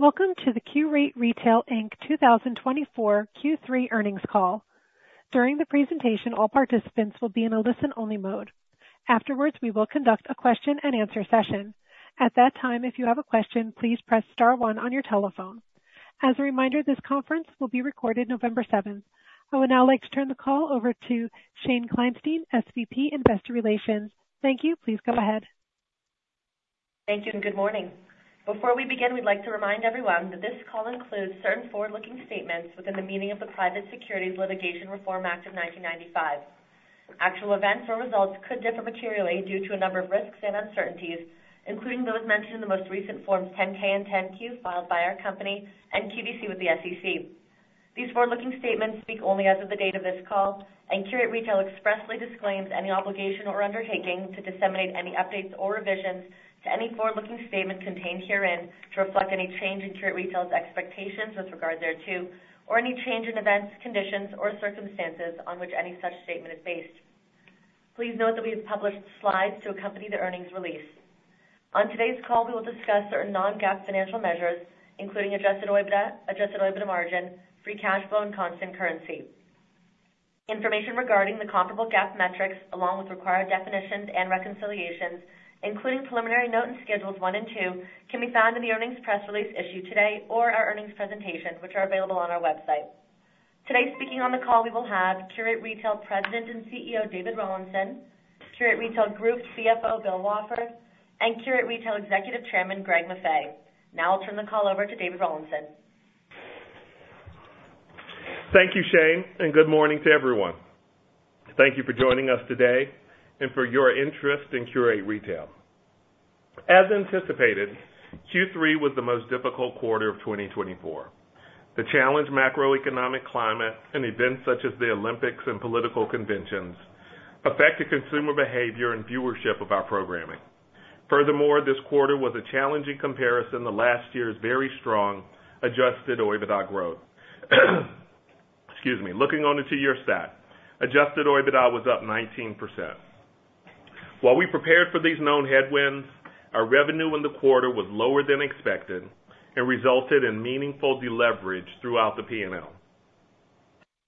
Welcome to the Qurate Retail, Inc 2024 Q3 Earnings Call. During the presentation, all participants will be in a listen-only mode. Afterwards, we will conduct a question-and-answer session. At that time, if you have a question, please press star one on your telephone. As a reminder, this conference will be recorded November 7th. I would now like to turn the call over to Shane Kleinstein, SVP Investor Relations. Thank you. Please go ahead. Thank you, and good morning. Before we begin, we'd like to remind everyone that this call includes certain forward-looking statements within the meaning of the Private Securities Litigation Reform Act of 1995. Actual events or results could differ materially due to a number of risks and uncertainties, including those mentioned in the most recent Forms 10-K and 10-Q filed by our company and QVC with the SEC. These forward-looking statements speak only as of the date of this call, and Qurate Retail expressly disclaims any obligation or undertaking to disseminate any updates or revisions to any forward-looking statement contained herein to reflect any change in Qurate Retail's expectations with regard thereto, or any change in events, conditions, or circumstances on which any such statement is based. Please note that we have published slides to accompany the earnings release. On today's call, we will discuss certain non-GAAP financial measures, including adjusted EBITDA, adjusted EBITDA margin, free cash flow, and constant currency. Information regarding the comparable GAAP metrics, along with required definitions and reconciliations, including preliminary note in Schedules 1 and 2, can be found in the earnings press release issued today or our earnings presentation, which are available on our website. Today, speaking on the call, we will have Qurate Retail President and CEO, David Rawlinson, Qurate Retail Group CFO, Bill Wafford, and Qurate Retail Executive Chairman, Greg Maffei. Now, I'll turn the call over to David Rawlinson. Thank you, Shane, and good morning to everyone. Thank you for joining us today and for your interest in Qurate Retail. As anticipated, Q3 was the most difficult quarter of 2024. The challenged macroeconomic climate and events such as the Olympics and political conventions affected consumer behavior and viewership of our programming. Furthermore, this quarter was a challenging comparison to last year's very strong adjusted EBITDA growth. Excuse me. Looking on the two-year stat, adjusted EBITDA was up 19%. While we prepared for these known headwinds, our revenue in the quarter was lower than expected and resulted in meaningful deleverage throughout the P&L.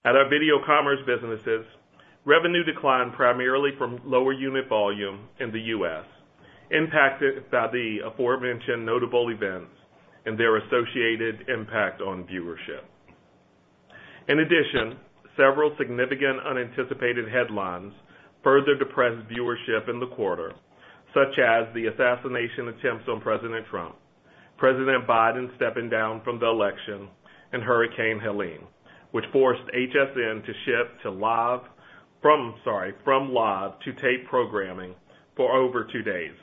At our video commerce businesses, revenue declined primarily from lower unit volume in the U.S., impacted by the aforementioned notable events and their associated impact on viewership. In addition, several significant unanticipated headlines further depressed viewership in the quarter, such as the assassination attempts on President Trump, President Biden stepping down from the election, and Hurricane Helene, which forced HSN to shift from live to tape programming for over two days.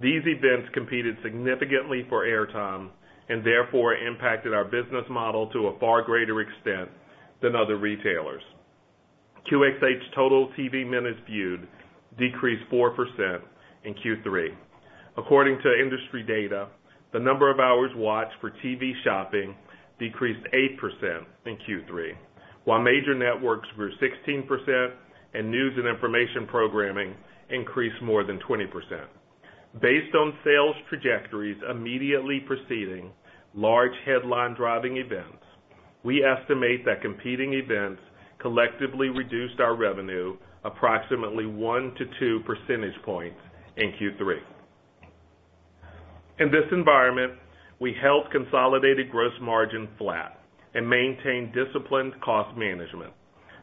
These events competed significantly for airtime and therefore impacted our business model to a far greater extent than other retailers. QXH total TV minutes viewed decreased 4% in Q3. According to industry data, the number of hours watched for TV shopping decreased 8% in Q3, while major networks grew 16% and news and information programming increased more than 20%. Based on sales trajectories immediately preceding large headline-driving events, we estimate that competing events collectively reduced our revenue approximately one to two percentage points in Q3. In this environment, we held consolidated gross margin flat and maintained disciplined cost management.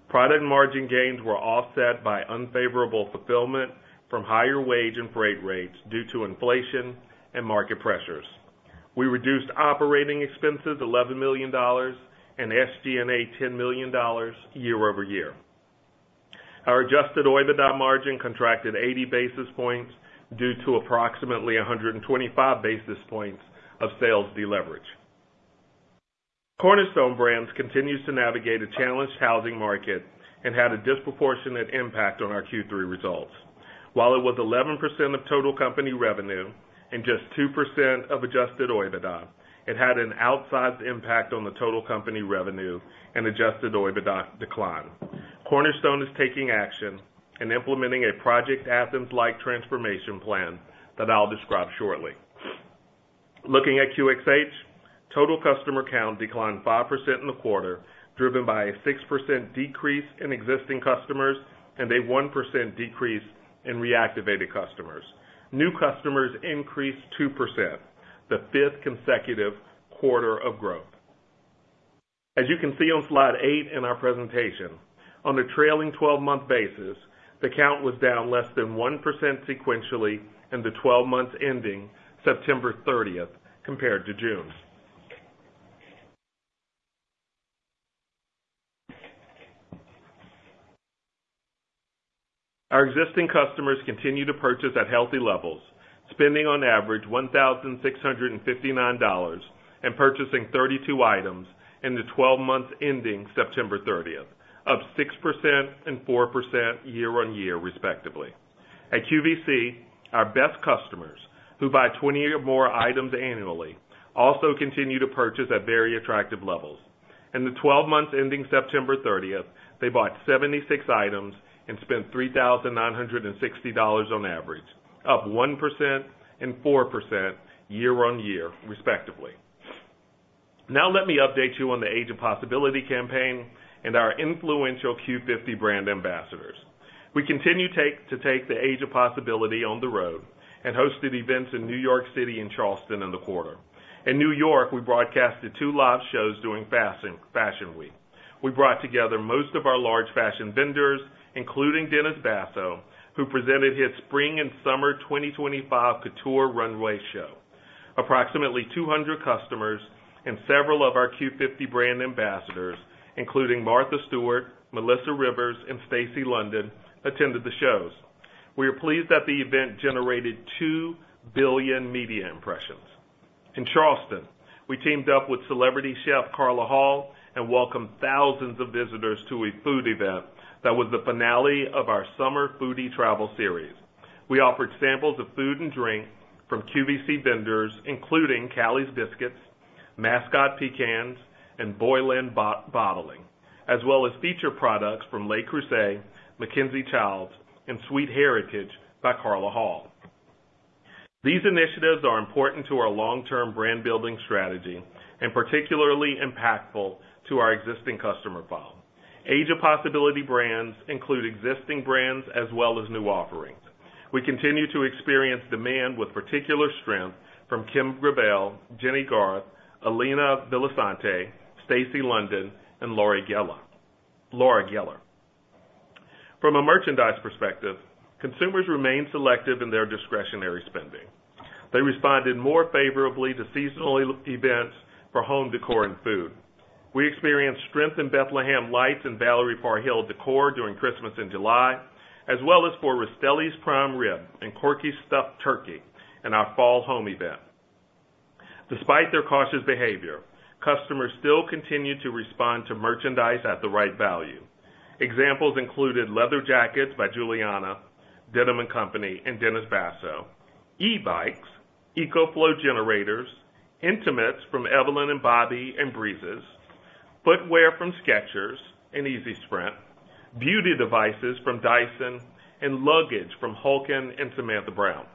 Product margin gains were offset by unfavorable fulfillment from higher wage and freight rates due to inflation and market pressures. We reduced operating expenses $11 million and SG&A $10 million year over year. Our adjusted EBITDA margin contracted 80 basis points due to approximately 125 basis points of sales deleverage. Cornerstone Brands continues to navigate a challenged housing market and had a disproportionate impact on our Q3 results. While it was 11% of total company revenue and just 2% of adjusted EBITDA, it had an outsized impact on the total company revenue and adjusted EBITDA decline. Cornerstone is taking action and implementing a Project Athens-like transformation plan that I'll describe shortly. Looking at QXH, total customer count declined 5% in the quarter, driven by a 6% decrease in existing customers and a 1% decrease in reactivated customers. New customers increased 2%, the fifth consecutive quarter of growth. As you can see on slide eight in our presentation, on a trailing 12-month basis, the count was down less than 1% sequentially in the 12 months ending September 30th compared to June. Our existing customers continue to purchase at healthy levels, spending on average $1,659 and purchasing 32 items in the 12 months ending September 30th, up 6% and 4% year on year, respectively. At QVC, our best customers, who buy 20 or more items annually, also continue to purchase at very attractive levels. In the 12 months ending September 30th, they bought 76 items and spent $3,960 on average, up 1% and 4% year on year, respectively. Now let me update you on the Age of Possibility campaign and our influential Q50 brand ambassadors. We continue to take the Age of Possibility on the road and hosted events in New York City and Charleston in the quarter. In New York, we broadcasted two live shows during Fashion Week. We brought together most of our large fashion vendors, including Dennis Basso, who presented his Spring and Summer 2025 Couture Runway Show. Approximately 200 customers and several of our Q50 brand ambassadors, including Martha Stewart, Melissa Rivers, and Stacy London, attended the shows. We are pleased that the event generated 2 billion media impressions. In Charleston, we teamed up with celebrity chef Carla Hall and welcomed thousands of visitors to a food event that was the finale of our Summer Foodie Travel Series. We offered samples of food and drink from QVC vendors, including Callie's Biscuits, Mascot Pecans, and Boylan Bottling, as well as feature products from Le Creuset, MacKenzie-Childs, and Sweet Heritage by Carla Hall. These initiatives are important to our long-term brand-building strategy and particularly impactful to our existing customer file. Age of Possibility brands include existing brands as well as new offerings. We continue to experience demand with particular strength from Kim Gravel, Jennie Garth, Alina Villasante, Stacy London, and Laura Geller. From a merchandise perspective, consumers remain selective in their discretionary spending. They responded more favorably to seasonal events for home decor and food. We experienced strength in Bethlehem Lights and Valerie Parr Hill decor during Christmas in July, as well as for Rastelli's Prime Rib and Corky's Stuffed Turkey in our fall home event. Despite their cautious behavior, customers still continue to respond to merchandise at the right value. Examples included leather jackets by Giuliana, Denim & Co, and Dennis Basso, e-bikes, EcoFlow generators, intimates from Evelyn & Bobbie & Breezies, footwear from Skechers and Easy Spirit, beauty devices from Dyson, and luggage from Hulken and Samantha Brown.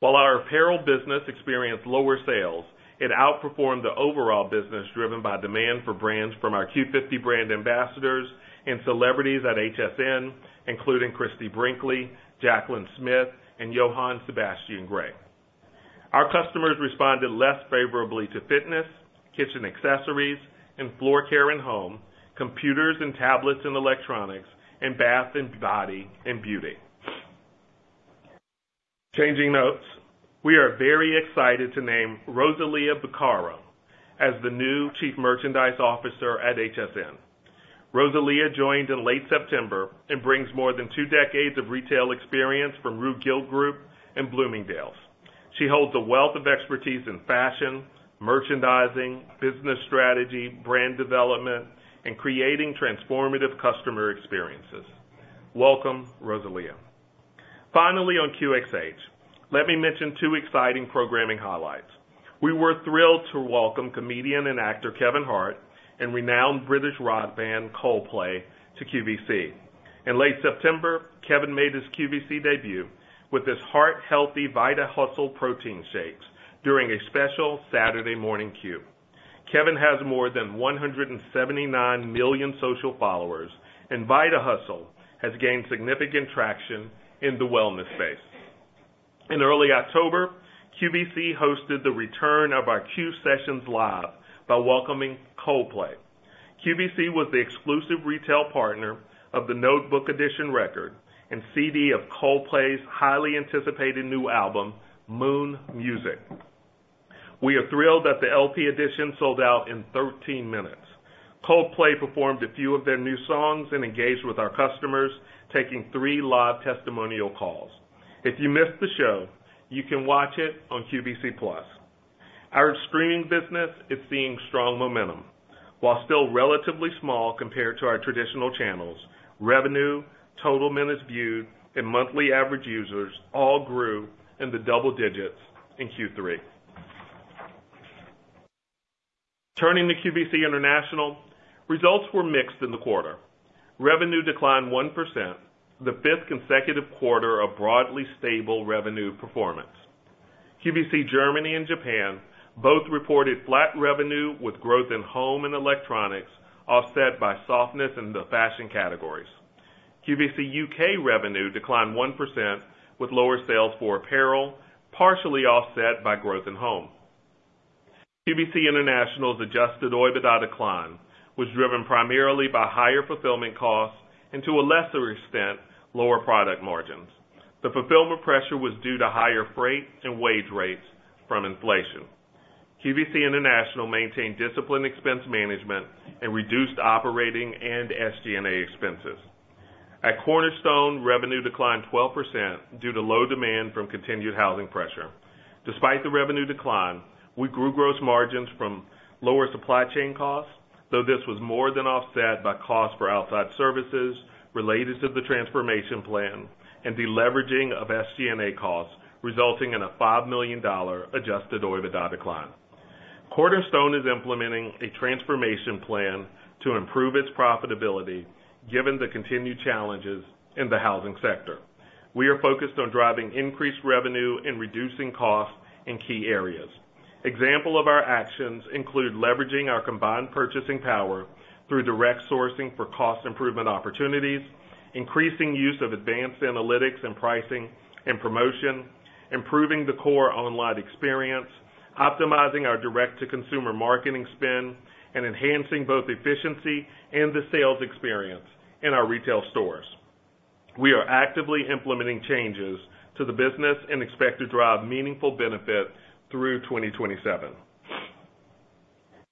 While our apparel business experienced lower sales, it outperformed the overall business driven by demand for brands from our Q50 brand ambassadors and celebrities at HSN, including Christie Brinkley, Jaclyn Smith, and Jhoan Sebastian Grey. Our customers responded less favorably to fitness, kitchen accessories, and floor care and home, computers and tablets and electronics, and bath and body and beauty. Changing notes, we are very excited to name Rosalia Bucaro as the new Chief Merchandise Officer at HSN. Rosalia joined in late September and brings more than two decades of retail experience from Rue Gilt Groupe and Bloomingdale's. She holds a wealth of expertise in fashion, merchandising, business strategy, brand development, and creating transformative customer experiences. Welcome, Rosalia. Finally, on QXH, let me mention two exciting programming highlights. We were thrilled to welcome comedian and actor Kevin Hart and renowned British rock band Coldplay to QVC. In late September, Kevin made his QVC debut with his heart-healthy VitaHustle protein shakes during a special Saturday Morning Q. Kevin has more than 179 million social followers, and VitaHustle has gained significant traction in the wellness space. In early October, QVC hosted the return of our QSessions Live by welcoming Coldplay. QVC was the exclusive retail partner of the Notebook Edition record and CD of Coldplay's highly anticipated new album, Moon Music. We are thrilled that the LP edition sold out in 13 minutes. Coldplay performed a few of their new songs and engaged with our customers, taking three live testimonial calls. If you missed the show, you can watch it on QVC Plus. Our streaming business is seeing strong momentum. While still relatively small compared to our traditional channels, revenue, total minutes viewed, and monthly average users all grew in the double digits in Q3. Turning to QVC International, results were mixed in the quarter. Revenue declined 1%, the fifth consecutive quarter of broadly stable revenue performance. QVC Germany and Japan both reported flat revenue with growth in home and electronics, offset by softness in the fashion categories. QVC UK revenue declined 1% with lower sales for apparel, partially offset by growth in home. QVC International's Adjusted EBITDA decline was driven primarily by higher fulfillment costs and, to a lesser extent, lower product margins. The fulfillment pressure was due to higher freight and wage rates from inflation. QVC International maintained disciplined expense management and reduced operating and SG&A expenses. At Cornerstone, revenue declined 12% due to low demand from continued housing pressure. Despite the revenue decline, we grew gross margins from lower supply chain costs, though this was more than offset by costs for outside services related to the transformation plan and deleveraging of SG&A costs, resulting in a $5 million Adjusted EBITDA decline. Cornerstone is implementing a transformation plan to improve its profitability given the continued challenges in the housing sector. We are focused on driving increased revenue and reducing costs in key areas. Examples of our actions include leveraging our combined purchasing power through direct sourcing for cost improvement opportunities, increasing use of advanced analytics and pricing and promotion, improving the core online experience, optimizing our direct-to-consumer marketing spend, and enhancing both efficiency and the sales experience in our retail stores. We are actively implementing changes to the business and expect to drive meaningful benefit through 2027.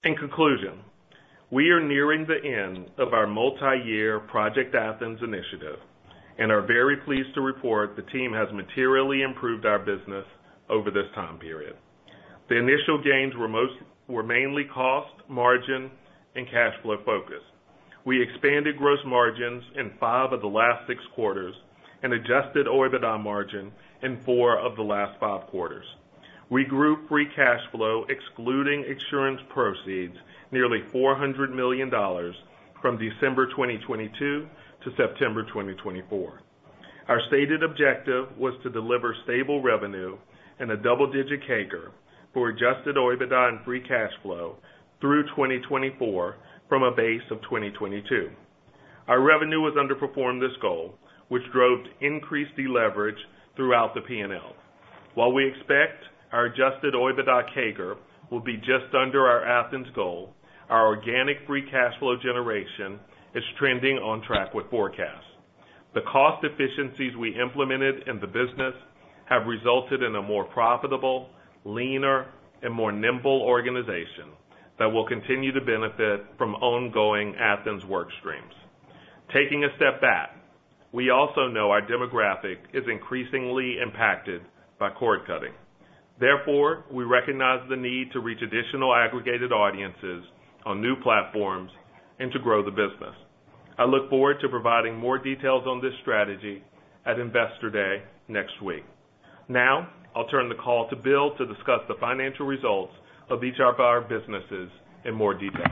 In conclusion, we are nearing the end of our multi-year Project Athens initiative and are very pleased to report the team has materially improved our business over this time period. The initial gains were mainly cost, margin, and cash flow focused. We expanded gross margins in five of the last six quarters and adjusted EBITDA margin in four of the last five quarters. We grew free cash flow, excluding insurance proceeds, nearly $400 million from December 2022 to September 2024. Our stated objective was to deliver stable revenue and a double-digit CAGR for adjusted EBITDA and free cash flow through 2024 from a base of 2022. Our revenue has underperformed this goal, which drove increased deleverage throughout the P&L. While we expect our adjusted EBITDA CAGR will be just under our Athens goal, our organic free cash flow generation is trending on track with forecasts. The cost efficiencies we implemented in the business have resulted in a more profitable, leaner, and more nimble organization that will continue to benefit from ongoing Athens work streams. Taking a step back, we also know our demographic is increasingly impacted by cord cutting. Therefore, we recognize the need to reach additional aggregated audiences on new platforms and to grow the business. I look forward to providing more details on this strategy at Investor Day next week. Now, I'll turn the call to Bill to discuss the financial results of each of our businesses in more detail.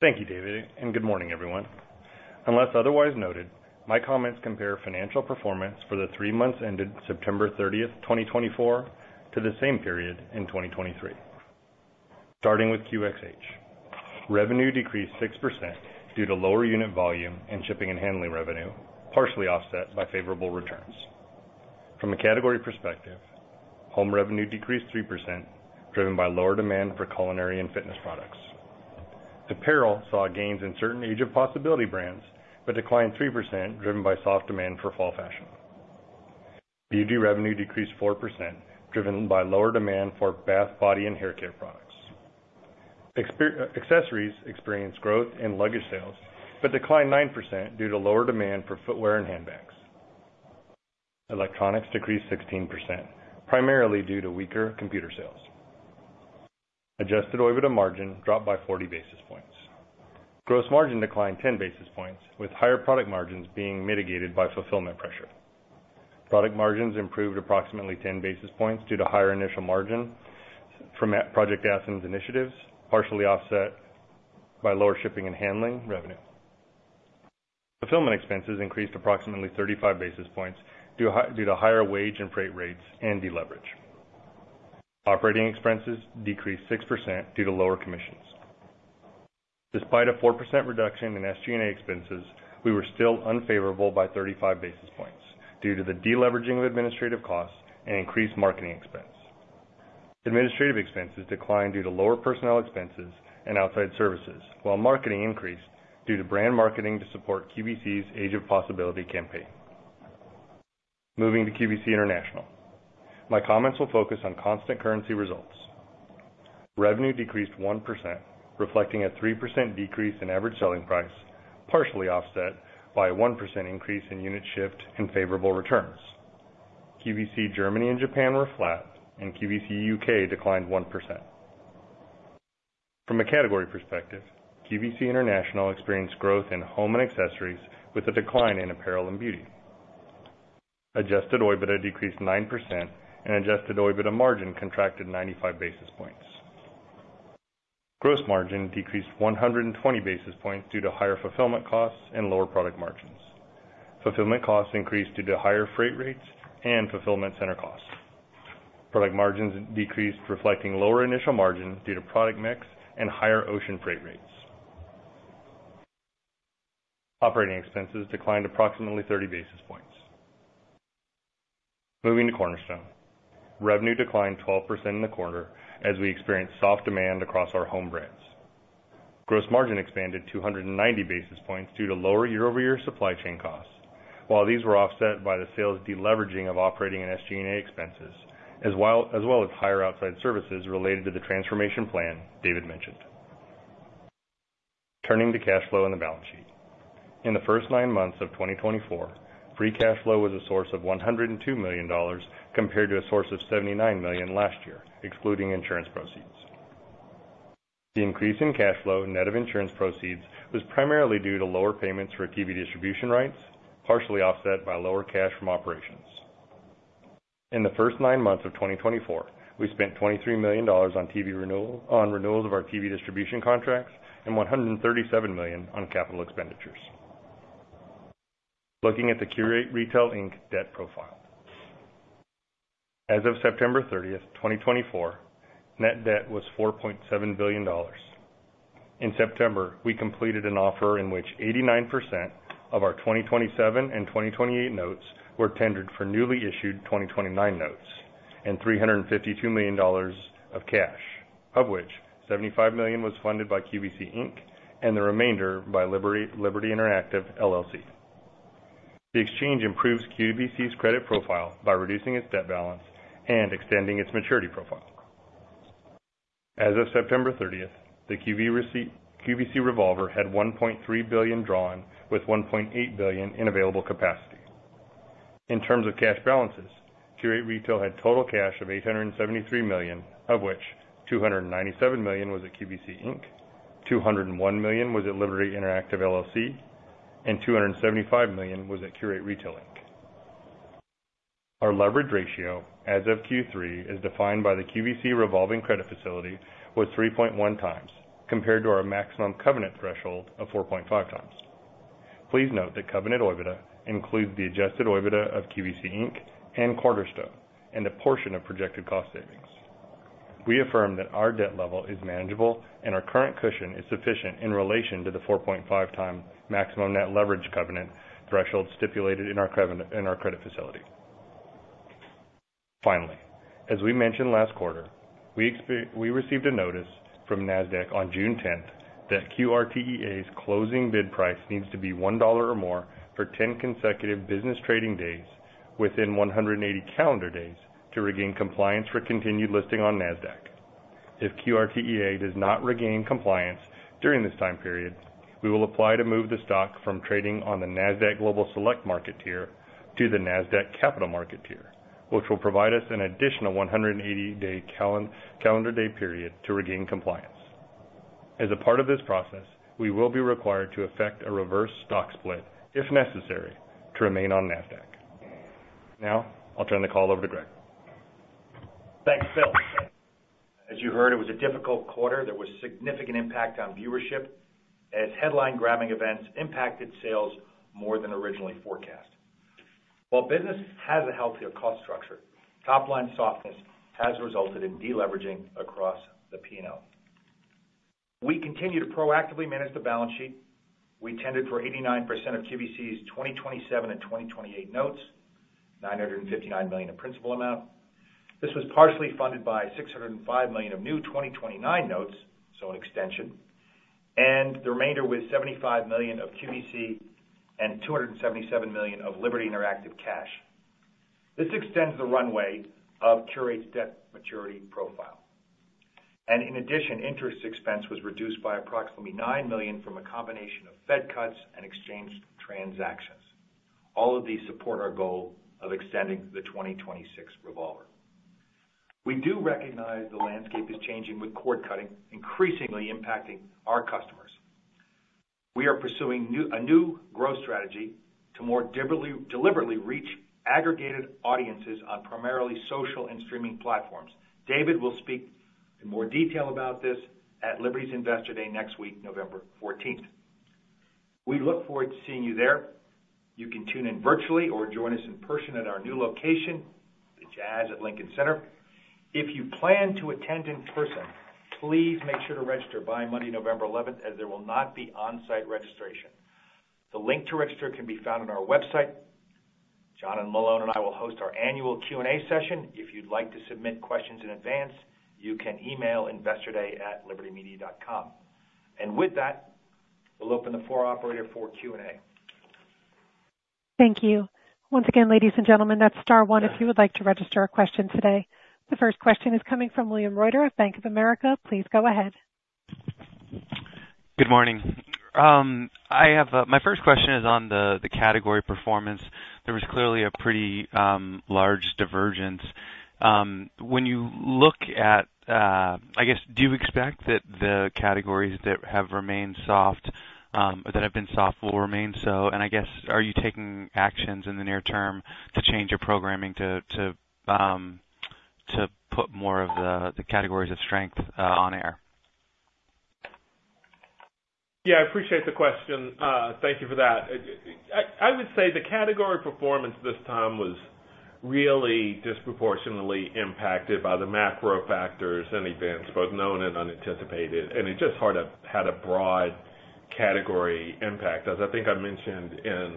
Thank you, David, and good morning, everyone. Unless otherwise noted, my comments compare financial performance for the three months ended September 30th, 2024, to the same period in 2023. Starting with QXH, revenue decreased 6% due to lower unit volume and shipping and handling revenue, partially offset by favorable returns. From a category perspective, home revenue decreased 3%, driven by lower demand for culinary and fitness products. Apparel saw gains in certain Age of Possibility brands but declined 3%, driven by soft demand for fall fashion. Beauty revenue decreased 4%, driven by lower demand for bath, body, and hair care products. Accessories experienced growth in luggage sales but declined 9% due to lower demand for footwear and handbags. Electronics decreased 16%, primarily due to weaker computer sales. Adjusted EBITDA margin dropped by 40 basis points. Gross margin declined 10 basis points, with higher product margins being mitigated by fulfillment pressure. Product margins improved approximately 10 basis points due to higher initial margin from Project Athens initiatives, partially offset by lower shipping and handling revenue. Fulfillment expenses increased approximately 35 basis points due to higher wage and freight rates and deleverage. Operating expenses decreased 6% due to lower commissions. Despite a 4% reduction in SG&A expenses, we were still unfavorable by 35 basis points due to the deleveraging of administrative costs and increased marketing expense. Administrative expenses declined due to lower personnel expenses and outside services, while marketing increased due to brand marketing to support QVC's Age of Possibility campaign. Moving to QVC International, my comments will focus on constant currency results. Revenue decreased 1%, reflecting a 3% decrease in average selling price, partially offset by a 1% increase in unit shift and favorable returns. QVC Germany and Japan were flat, and QVC UK declined 1%. From a category perspective, QVC International experienced growth in home and accessories with a decline in apparel and beauty. Adjusted EBITDA decreased 9%, and adjusted EBITDA margin contracted 95 basis points. Gross margin decreased 120 basis points due to higher fulfillment costs and lower product margins. Fulfillment costs increased due to higher freight rates and fulfillment center costs. Product margins decreased, reflecting lower initial margin due to product mix and higher ocean freight rates. Operating expenses declined approximately 30 basis points. Moving to Cornerstone, revenue declined 12% in the quarter as we experienced soft demand across our home brands. Gross margin expanded 290 basis points due to lower year-over-year supply chain costs, while these were offset by the sales deleveraging of operating and SG&A expenses, as well as higher outside services related to the transformation plan David mentioned. Turning to cash flow and the balance sheet, in the first nine months of 2024, free cash flow was a source of $102 million compared to a source of $79 million last year, excluding insurance proceeds. The increase in cash flow net of insurance proceeds was primarily due to lower payments for TV distribution rights, partially offset by lower cash from operations. In the first nine months of 2024, we spent $23 million on TV renewals of our TV distribution contracts and $137 million on capital expenditures. Looking at the Qurate Retail, Inc. debt profile, as of September 30th, 2024, net debt was $4.7 billion. In September, we completed an offer in which 89% of our 2027 and 2028 notes were tendered for newly issued 2029 notes and $352 million of cash, of which $75 million was funded by QVC Inc. and the remainder by Liberty Interactive LLC. The exchange improves QVC's credit profile by reducing its debt balance and extending its maturity profile. As of September 30th, the QVC revolver had $1.3 billion drawn with $1.8 billion in available capacity. In terms of cash balances, Qurate Retail had total cash of $873 million, of which $297 million was at QVC Inc., $201 million was at Liberty Interactive LLC, and $275 million was at Qurate Retail Inc. Our leverage ratio as of Q3 is defined by the QVC revolving credit facility was 3.1 times compared to our maximum covenant threshold of 4.5 times. Please note that covenant EBITDA includes the adjusted EBITDA of QVC Inc. and Cornerstone and a portion of projected cost savings. We affirm that our debt level is manageable and our current cushion is sufficient in relation to the 4.5-time maximum net leverage covenant threshold stipulated in our credit facility. Finally, as we mentioned last quarter, we received a notice from Nasdaq on June 10th that QRTEA's closing bid price needs to be $1 or more for 10 consecutive business trading days within 180 calendar days to regain compliance for continued listing on Nasdaq. If QRTEA does not regain compliance during this time period, we will apply to move the stock from trading on the Nasdaq Global Select Market tier to the Nasdaq Capital Market tier, which will provide us an additional 180-day calendar day period to regain compliance. As a part of this process, we will be required to effect a reverse stock split if necessary to remain on Nasdaq. Now, I'll turn the call over to Greg. Thanks, Bill. As you heard, it was a difficult quarter. There was significant impact on viewership as headline-grabbing events impacted sales more than originally forecast. While business has a healthier cost structure, top-line softness has resulted in deleveraging across the P&L. We continue to proactively manage the balance sheet. We tendered for 89% of QVC's 2027 and 2028 notes, $959 million in principal amount. This was partially funded by $605 million of new 2029 notes, so an extension, and the remainder was $75 million of QVC and $277 million of Liberty Interactive cash. This extends the runway of Qurate's debt maturity profile. And in addition, interest expense was reduced by approximately $9 million from a combination of Fed cuts and exchange transactions. All of these support our goal of extending the 2026 revolver. We do recognize the landscape is changing with cord cutting increasingly impacting our customers. We are pursuing a new growth strategy to more deliberately reach aggregated audiences on primarily social and streaming platforms. David will speak in more detail about this at Liberty's Investor Day next week, November 14th. We look forward to seeing you there. You can tune in virtually or join us in person at our new location, the Jazz at Lincoln Center. If you plan to attend in person, please make sure to register by Monday, November 11th, as there will not be on-site registration. The link to register can be found on our website. John Malone and I will host our annual Q&A session. If you'd like to submit questions in advance, you can email investorday@libertymedia.com. And with that, we'll open the floor to the operator for Q&A. Thank you. Once again, ladies and gentlemen, that's star one if you would like to register a question today. The first question is coming from William Reuter of Bank of America. Please go ahead. Good morning. My first question is on the category performance. There was clearly a pretty large divergence. When you look at, I guess, do you expect that the categories that have remained soft or that have been soft will remain so? And I guess, are you taking actions in the near term to change your programming to put more of the categories of strength on air? Yeah, I appreciate the question. Thank you for that. I would say the category performance this time was really disproportionately impacted by the macro factors and events, both known and unanticipated. And it just had a broad category impact. As I think I mentioned in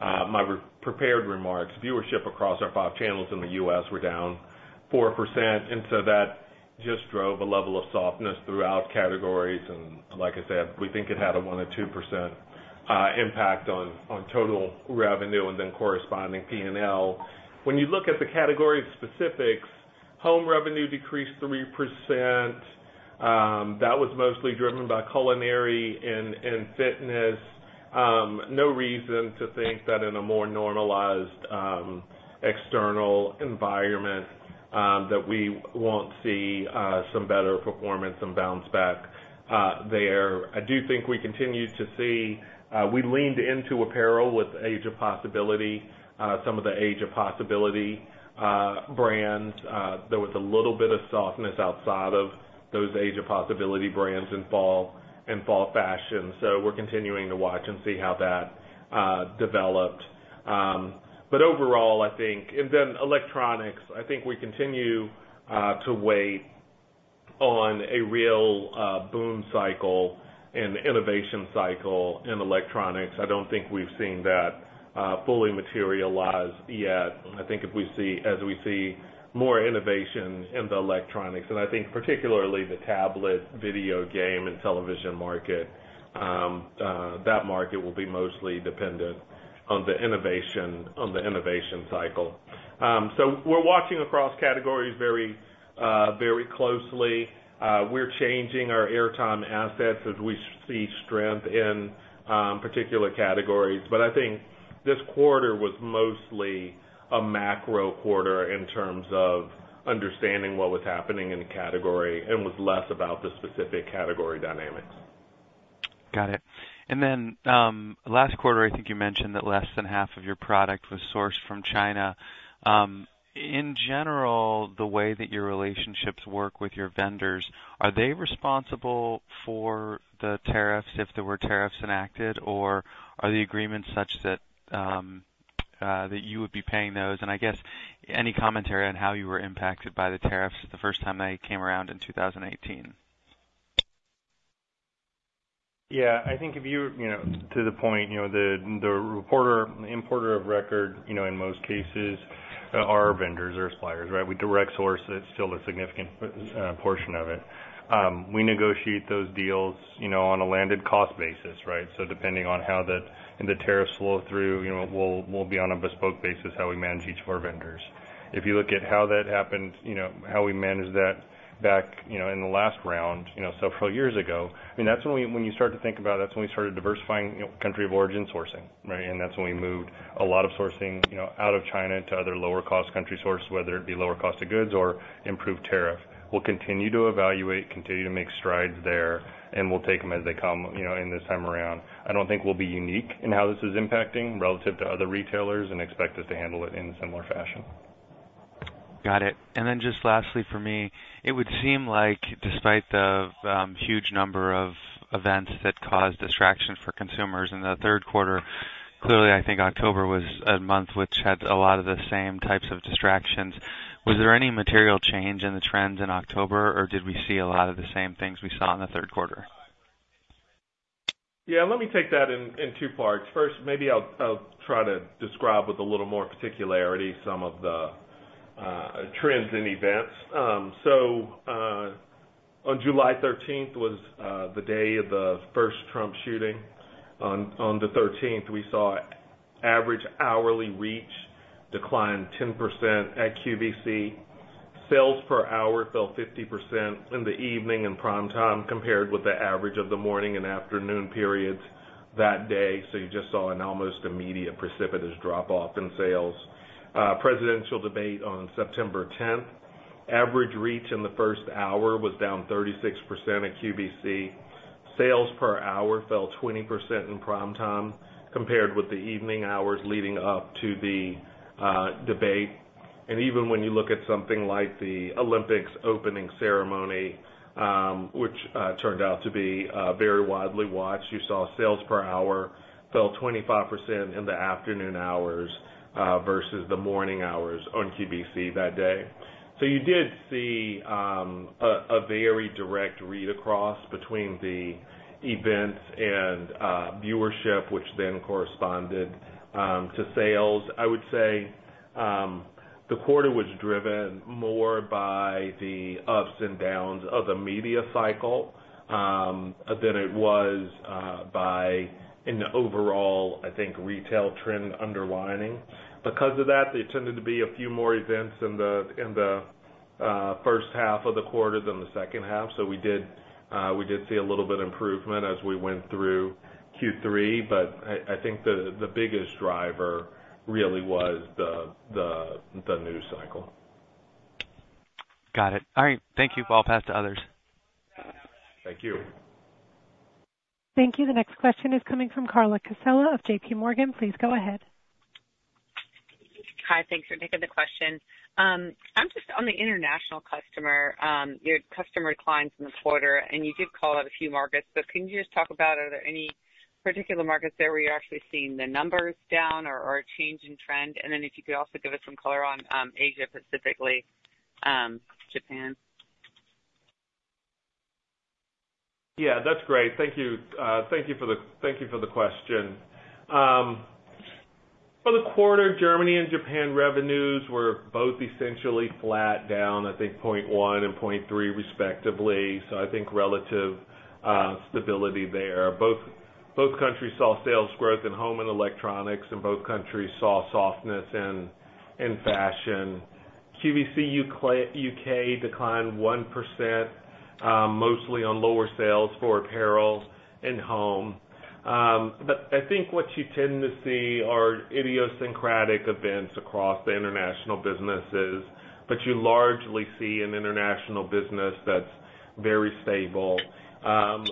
my prepared remarks, viewership across our five channels in the U.S. were down 4%. And so that just drove a level of softness throughout categories. And like I said, we think it had a 1 or 2% impact on total revenue and then corresponding P&L. When you look at the category specifics, home revenue decreased 3%. That was mostly driven by culinary and fitness. No reason to think that in a more normalized external environment that we won't see some better performance and bounce back there. I do think we continue to see. We leaned into apparel with Age of Possibility, some of the Age of Possibility brands. There was a little bit of softness outside of those Age of Possibility brands and fall fashion. So we're continuing to watch and see how that developed. But overall, I think. And then electronics, I think we continue to wait on a real boom cycle and innovation cycle in electronics. I don't think we've seen that fully materialize yet. I think as we see more innovation in the electronics, and I think particularly the tablet, video game, and television market, that market will be mostly dependent on the innovation cycle. So we're watching across categories very closely. We're changing our airtime assets as we see strength in particular categories. But I think this quarter was mostly a macro quarter in terms of understanding what was happening in the category and was less about the specific category dynamics. Got it. Then last quarter, I think you mentioned that less than half of your product was sourced from China. In general, the way that your relationships work with your vendors, are they responsible for the tariffs if there were tariffs enacted, or are the agreements such that you would be paying those? I guess any commentary on how you were impacted by the tariffs the first time they came around in 2018? Yeah. I think if you're to the point, the importer of record in most cases are our vendors, our suppliers, right? We direct source still a significant portion of it. We negotiate those deals on a landed cost basis, right? So depending on how the tariffs flow through, we'll be on a bespoke basis how we manage each of our vendors. If you look at how that happened, how we managed that back in the last round several years ago, I mean, that's when you start to think about that's when we started diversifying country of origin sourcing, right? And that's when we moved a lot of sourcing out of China to other lower-cost country sources, whether it be lower cost of goods or improved tariff. We'll continue to evaluate, continue to make strides there, and we'll take them as they come in this time around. I don't think we'll be unique in how this is impacting relative to other retailers and expect us to handle it in a similar fashion. Got it. And then just lastly for me, it would seem like despite the huge number of events that caused distraction for consumers in the third quarter, clearly I think October was a month which had a lot of the same types of distractions. Was there any material change in the trends in October, or did we see a lot of the same things we saw in the third quarter? Yeah. Let me take that in two parts. First, maybe I'll try to describe with a little more particularity some of the trends and events. On July 13th was the day of the first Trump shooting. On the 13th, we saw average hourly reach decline 10% at QVC. Sales per hour fell 50% in the evening and prime time compared with the average of the morning and afternoon periods that day. So you just saw an almost immediate precipitous drop-off in sales. Presidential debate on September 10th. Average reach in the first hour was down 36% at QVC. Sales per hour fell 20% in prime time compared with the evening hours leading up to the debate. And even when you look at something like the Olympics opening ceremony, which turned out to be very widely watched, you saw sales per hour fell 25% in the afternoon hours versus the morning hours on QVC that day. So you did see a very direct read across between the events and viewership, which then corresponded to sales. I would say the quarter was driven more by the ups and downs of the media cycle than it was by an overall, I think, retail trend underlying. Because of that, there tended to be a few more events in the first half of the quarter than the second half. So we did see a little bit of improvement as we went through Q3, but I think the biggest driver really was the news cycle. Got it. All right. Thank you. I'll pass to others. Thank you. Thank you. The next question is coming from Carla Casella of JPMorgan. Please go ahead. Hi. Thanks for taking the question. I'm just on the international customer. Your customer declines in the quarter, and you did call out a few markets. So, can you just talk about, are there any particular markets there where you're actually seeing the numbers down or a change in trend? And then, if you could also give us some color on Asia Pacific, like Japan? Yeah. That's great. Thank you. Thank you for the question. For the quarter, Germany and Japan revenues were both essentially flat, down, I think, 0.1% and 0.3% respectively. So I think relative stability there. Both countries saw sales growth in home and electronics, and both countries saw softness in fashion. QVC UK declined 1%, mostly on lower sales for apparel and home. But I think what you tend to see are idiosyncratic events across the international businesses, but you largely see an international business that's very stable.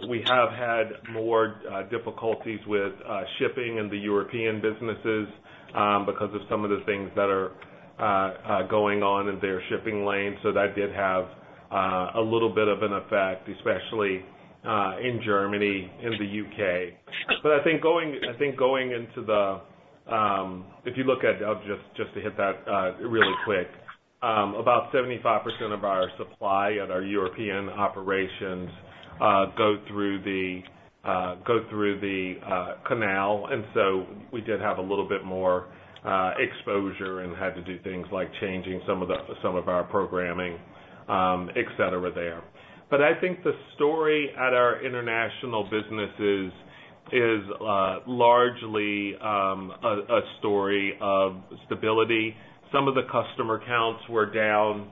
We have had more difficulties with shipping in the European businesses because of some of the things that are going on in their shipping lane. So that did have a little bit of an effect, especially in Germany and the U.K. But I think going into the if you look at, just to hit that really quick, about 75% of our supply at our European operations go through the canal. And so we did have a little bit more exposure and had to do things like changing some of our programming, etc., there. But I think the story at our international businesses is largely a story of stability. Some of the customer counts were down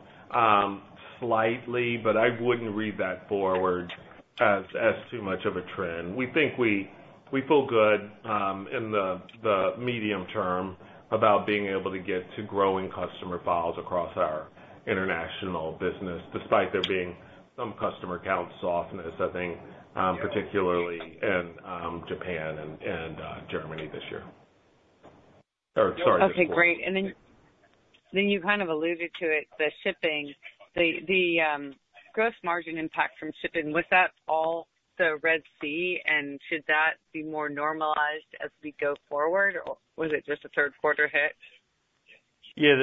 slightly, but I wouldn't read that forward as too much of a trend. We think we feel good in the medium term about being able to get to growing customer files across our international business, despite there being some customer count softness, I think, particularly in Japan and Germany this year. Sorry. Okay. Great. And then you kind of alluded to it, the shipping. The gross margin impact from shipping, was that all the Red Sea, and should that be more normalized as we go forward, or was it just a third quarter hit? Yeah.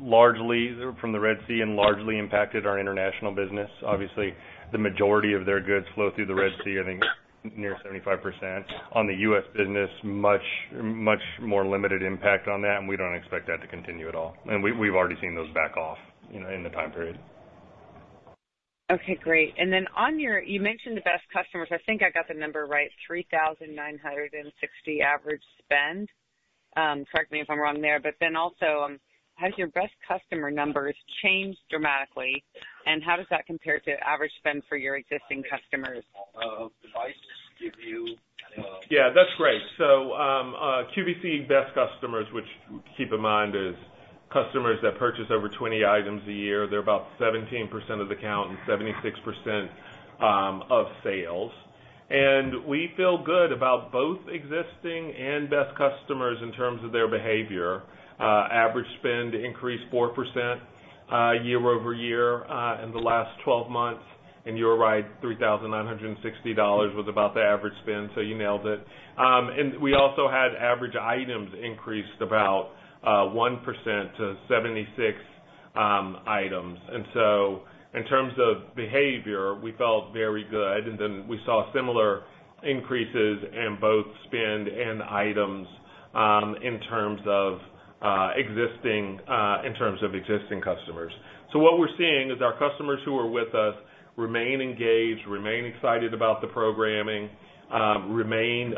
Largely from the Red Sea and largely impacted our international business. Obviously, the majority of their goods flow through the Red Sea, I think, near 75%. On the U.S. business, much more limited impact on that, and we don't expect that to continue at all. And we've already seen those back off in the time period. Okay. Great. And then on your you mentioned the best customers. I think I got the number right, $3,960 average spend. Correct me if I'm wrong there, but then also, have your best customer numbers changed dramatically, and how does that compare to average spend for your existing customers? Yeah. That's great, so QVC best customers, which, keep in mind, is customers that purchase over 20 items a year. They're about 17% of the count and 76% of sales, and we feel good about both existing and best customers in terms of their behavior. Average spend increased 4% year over year in the last 12 months, and you're right, $3,960 was about the average spend, so you nailed it, and we also had average items increased about 1% to 76 items, and so in terms of behavior, we felt very good, and then we saw similar increases in both spend and items in terms of existing customers. So what we're seeing is our customers who are with us remain engaged, remain excited about the programming, remain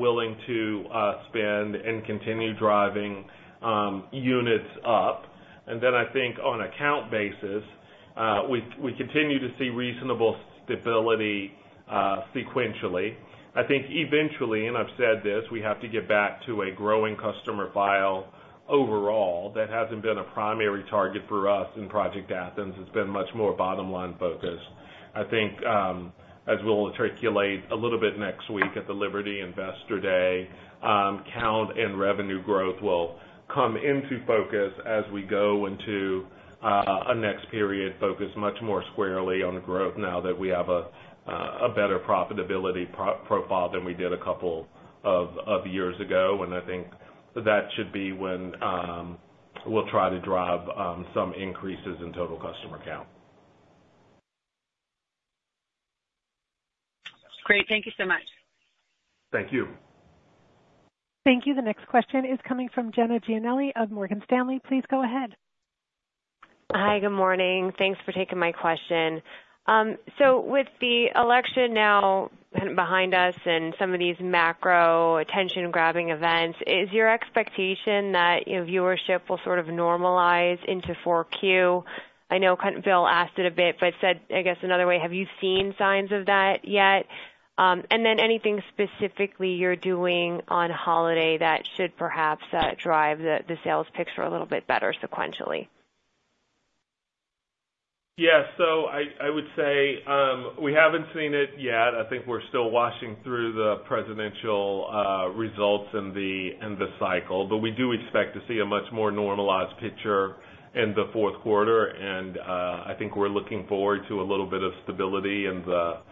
willing to spend, and continue driving units up. And then I think on a count basis, we continue to see reasonable stability sequentially. I think eventually, and I've said this, we have to get back to a growing customer file overall. That hasn't been a primary target for us in Project Athens. It's been much more bottom-line focused. I think as we'll articulate a little bit next week at the Liberty Investor Day, count and revenue growth will come into focus as we go into a next period, focus much more squarely on growth now that we have a better profitability profile than we did a couple of years ago. And I think that should be when we'll try to drive some increases in total customer count. Great. Thank you so much. Thank you. Thank you. The next question is coming from Jenna Giannelli of Morgan Stanley. Please go ahead. Hi. Good morning. Thanks for taking my question. So with the election now behind us and some of these macro attention-grabbing events, is your expectation that viewership will sort of normalize into 4Q? I know Bill asked it a bit, but said, I guess, in another way, have you seen signs of that yet? And then anything specifically you're doing on holiday that should perhaps drive the sales picture a little bit better sequentially? Yeah. So I would say we haven't seen it yet. I think we're still watching through the presidential results and the cycle, but we do expect to see a much more normalized picture in the fourth quarter. I think we're looking forward to a little bit of stability in the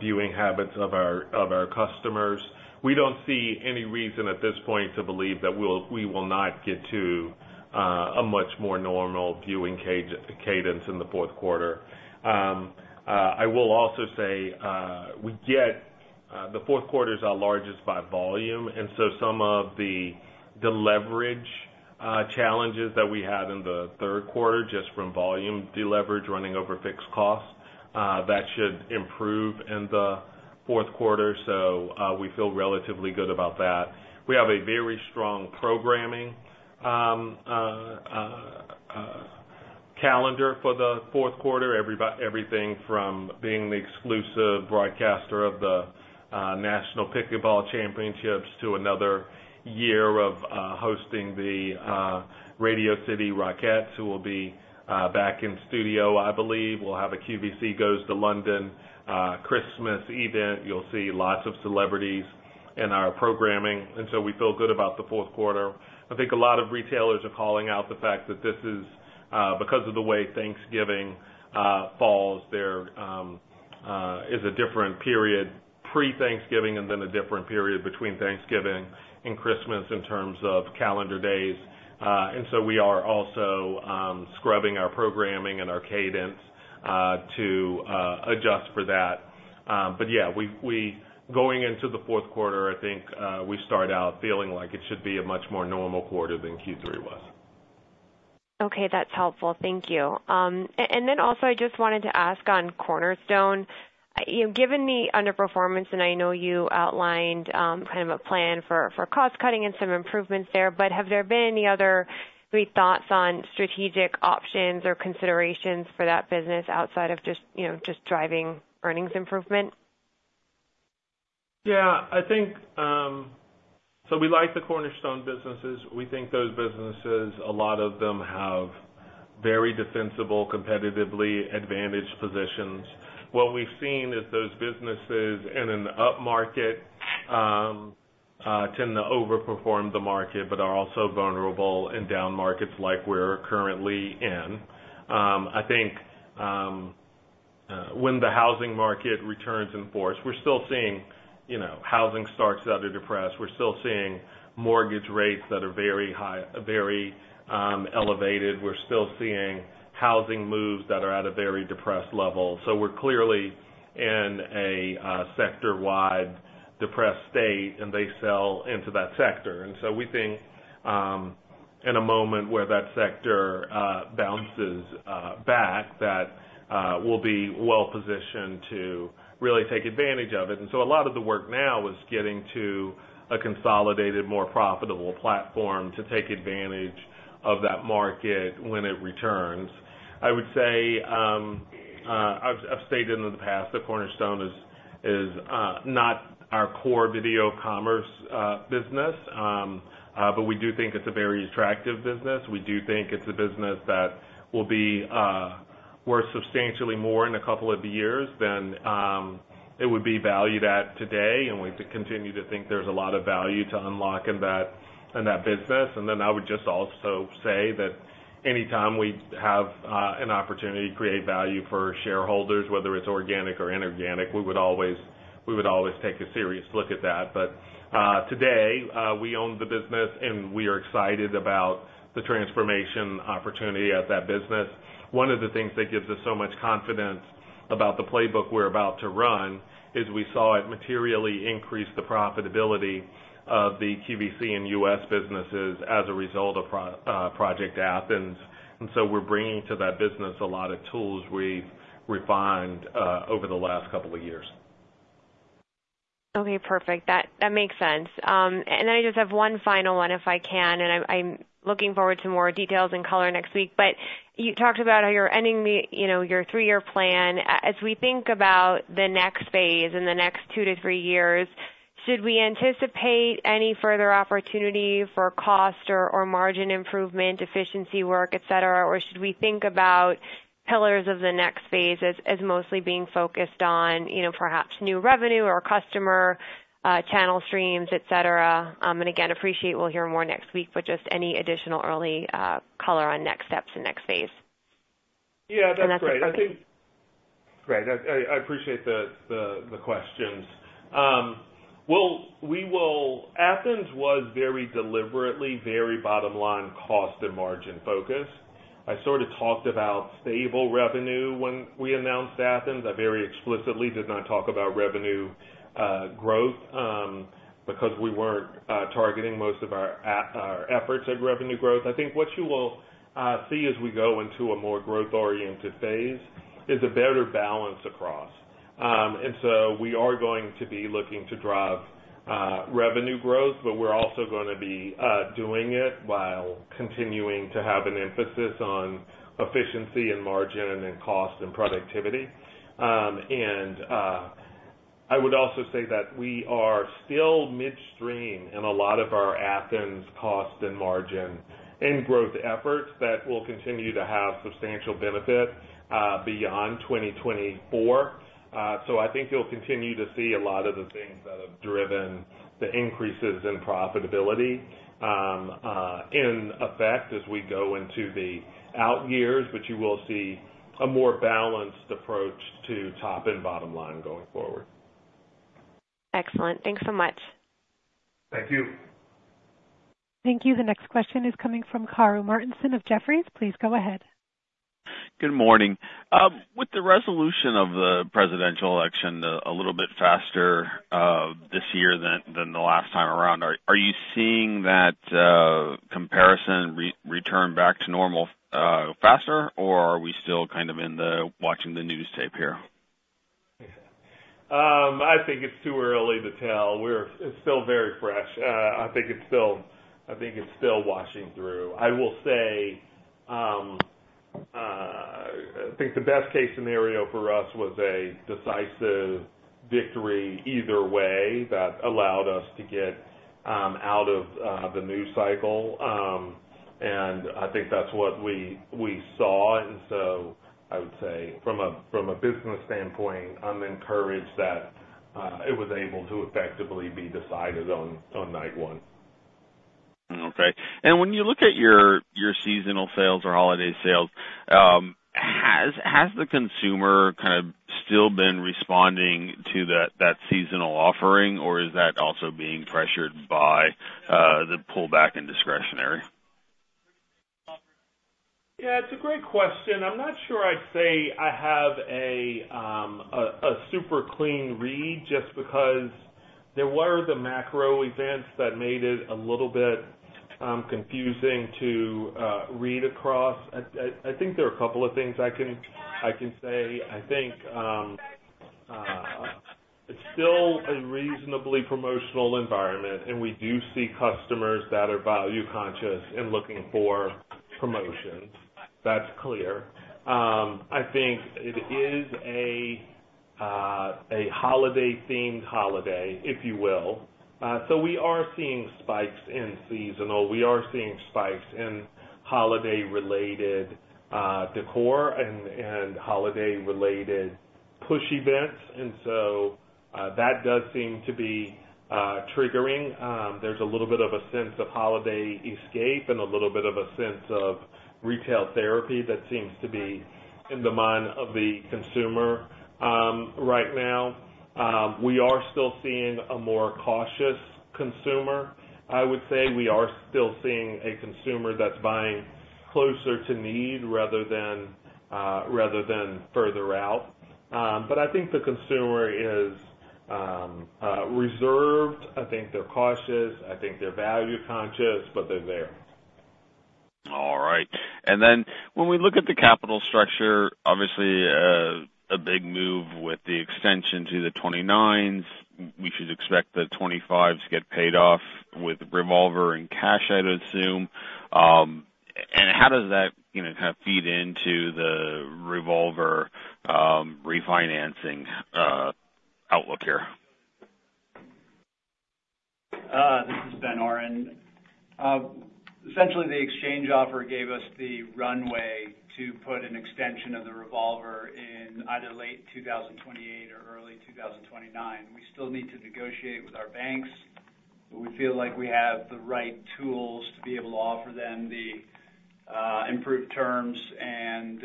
viewing habits of our customers. We don't see any reason at this point to believe that we will not get to a much more normal viewing cadence in the fourth quarter. I will also say that the fourth quarter is our largest by volume. And so some of the deleverage challenges that we had in the third quarter, just from volume deleverage running over fixed costs, that should improve in the fourth quarter. So we feel relatively good about that. We have a very strong programming calendar for the fourth quarter, everything from being the exclusive broadcaster of the National Pickleball Championships to another year of hosting the Radio City Rockettes, who will be back in studio, I believe. We'll have a QVC Goes to London Christmas event. You'll see lots of celebrities in our programming. And so we feel good about the fourth quarter. I think a lot of retailers are calling out the fact that this is because of the way Thanksgiving falls. There is a different period pre-Thanksgiving and then a different period between Thanksgiving and Christmas in terms of calendar days. And so we are also scrubbing our programming and our cadence to adjust for that. But yeah, going into the fourth quarter, I think we start out feeling like it should be a much more normal quarter than Q3 was. Okay. That's helpful. Thank you. And then also, I just wanted to ask on Cornerstone, given the underperformance, and I know you outlined kind of a plan for cost-cutting and some improvements there, but have there been any other thoughts on strategic options or considerations for that business outside of just driving earnings improvement? Yeah. So we like the Cornerstone businesses. We think those businesses, a lot of them have very defensible, competitively advantaged positions. What we've seen is those businesses in an up market tend to overperform the market but are also vulnerable in down markets like we're currently in. I think when the housing market returns in force. We're still seeing housing starts that are depressed. We're still seeing mortgage rates that are very elevated. We're still seeing housing moves that are at a very depressed level. So we're clearly in a sector-wide depressed state, and they sell into that sector. And so we think in a moment where that sector bounces back, that we'll be well-positioned to really take advantage of it. And so a lot of the work now is getting to a consolidated, more profitable platform to take advantage of that market when it returns. I would say I've stated in the past that Cornerstone is not our core video commerce business, but we do think it's a very attractive business. We do think it's a business that will be worth substantially more in a couple of years than it would be valued at today. And we continue to think there's a lot of value to unlock in that business. And then I would just also say that anytime we have an opportunity to create value for shareholders, whether it's organic or inorganic, we would always take a serious look at that. But today, we own the business, and we are excited about the transformation opportunity at that business. One of the things that gives us so much confidence about the playbook we're about to run is we saw it materially increase the profitability of the QVC and U.S. businesses as a result of Project Athens. And so we're bringing to that business a lot of tools we've refined over the last couple of years. Okay. Perfect. That makes sense. And then I just have one final one if I can, and I'm looking forward to more details and color next week. But you talked about how you're ending your three-year plan. As we think about the next phase in the next two to three years, should we anticipate any further opportunity for cost or margin improvement, efficiency work, etc., or should we think about pillars of the next phase as mostly being focused on perhaps new revenue or customer channel streams, etc.? And again, appreciate we'll hear more next week, but just any additional early color on next steps and next phase. Yeah. That's great. I think. Great. I appreciate the questions. Well, Athens was very deliberately, very bottom-line cost and margin focused. I sort of talked about stable revenue when we announced Athens. I very explicitly did not talk about revenue growth because we weren't targeting most of our efforts at revenue growth. I think what you will see as we go into a more growth-oriented phase is a better balance across. And so we are going to be looking to drive revenue growth, but we're also going to be doing it while continuing to have an emphasis on efficiency and margin and cost and productivity. And I would also say that we are still midstream in a lot of our Athens cost and margin and growth efforts that will continue to have substantial benefit beyond 2024. So I think you'll continue to see a lot of the things that have driven the increases in profitability in effect as we go into the out years, but you will see a more balanced approach to top and bottom line going forward. Excellent. Thanks so much. Thank you. Thank you. The next question is coming from Karru Martinson of Jefferies. Please go ahead. Good morning. With the resolution of the presidential election a little bit faster this year than the last time around, are you seeing that comparison return back to normal faster, or are we still kind of watching the news tape here? I think it's too early to tell. It's still very fresh. I think it's still watching through. I will say I think the best case scenario for us was a decisive victory either way that allowed us to get out of the news cycle. And I think that's what we saw. And so I would say from a business standpoint, I'm encouraged that it was able to effectively be decided on night one. Okay. And when you look at your seasonal sales or holiday sales, has the consumer kind of still been responding to that seasonal offering, or is that also being pressured by the pullback in discretionary? Yeah. It's a great question. I'm not sure I'd say I have a super clean read just because there were the macro events that made it a little bit confusing to read across. I think there are a couple of things I can say. I think it's still a reasonably promotional environment, and we do see customers that are value-conscious and looking for promotions. That's clear. I think it is a holiday-themed holiday, if you will. So we are seeing spikes in seasonal. We are seeing spikes in holiday-related decor and holiday-related push events. And so that does seem to be triggering. There's a little bit of a sense of holiday escape and a little bit of a sense of retail therapy that seems to be in the mind of the consumer right now. We are still seeing a more cautious consumer, I would say. We are still seeing a consumer that's buying closer to need rather than further out. But I think the consumer is reserved. I think they're cautious. I think they're value-conscious, but they're there. All right. And then when we look at the capital structure, obviously a big move with the extension to the 29s. We should expect the 25s to get paid off with revolver and cash, I would assume. And how does that kind of feed into the revolver refinancing outlook here? This is Ben Oren. Essentially, the exchange offer gave us the runway to put an extension of the revolver in either late 2028 or early 2029. We still need to negotiate with our banks, but we feel like we have the right tools to be able to offer them the improved terms and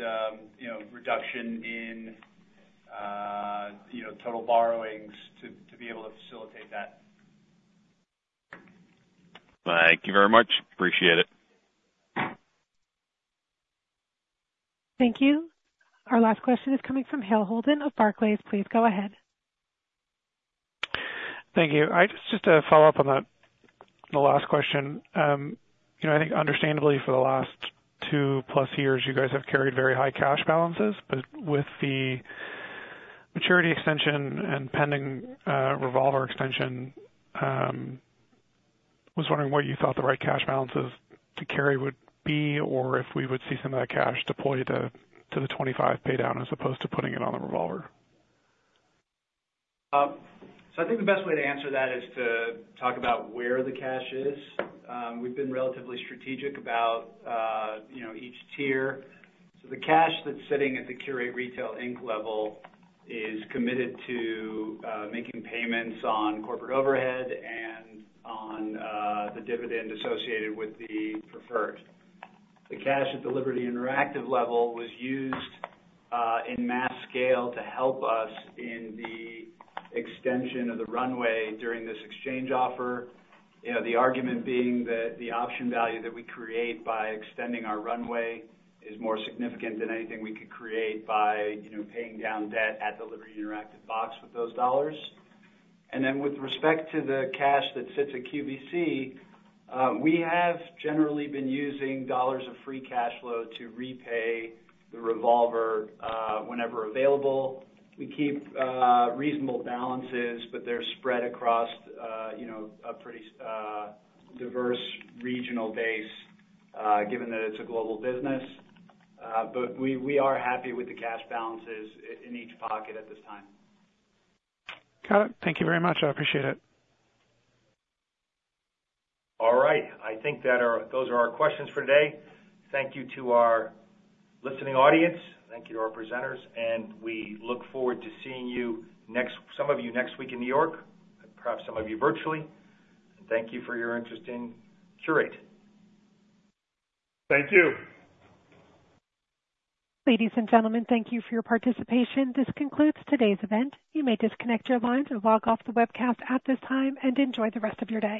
reduction in total borrowings to be able to facilitate that. Thank you very much. Appreciate it. Thank you. Our last question is coming from Hale Holden of Barclays. Please go ahead. Thank you. Just to follow up on the last question, I think understandably for the last two-plus years, you guys have carried very high cash balances. But with the maturity extension and pending Revolver extension, I was wondering what you thought the right cash balances to carry would be or if we would see some of that cash deployed to the $2.5 paydown as opposed to putting it on the Revolver. So I think the best way to answer that is to talk about where the cash is. We've been relatively strategic about each tier. So the cash that's sitting at the Qurate Retail, Inc. level is committed to making payments on corporate overhead and on the dividend associated with the preferred. The cash at the Liberty Interactive level was used in mass scale to help us in the extension of the runway during this exchange offer. The argument being that the option value that we create by extending our runway is more significant than anything we could create by paying down debt at the Liberty Interactive box with those dollars, and then with respect to the cash that sits at QVC, we have generally been using dollars of free cash flow to repay the Revolver whenever available. We keep reasonable balances, but they're spread across a pretty diverse regional base given that it's a global business, but we are happy with the cash balances in each pocket at this time. Got it. Thank you very much. I appreciate it. All right. I think those are our questions for today. Thank you to our listening audience. Thank you to our presenters. We look forward to seeing some of you next week in New York, perhaps some of you virtually. Thank you for your interest in Qurate. Thank you. Ladies and gentlemen, thank you for your participation. This concludes today's event. You may disconnect your lines and log off the webcast at this time and enjoy the rest of your day.